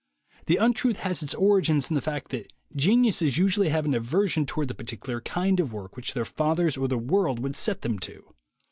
The untruth has its origin in the fact that geniuses usually have an aversion toward the particular kind of work which their fathers or the world would set them to.